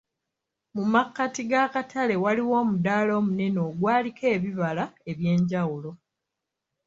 Mu makkati g'akatale waaliwo omudaala omunene ogwaliko ebibala eby'enjawulo.